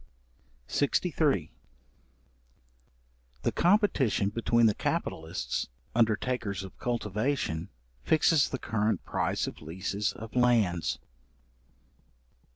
§63. The competition between the capitalists, undertakers of cultivation, fixes the current price of leases of lands.